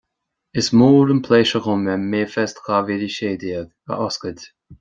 Is mór an pléisiúir dom é MayFest dhá mhíle a sé déag a oscailt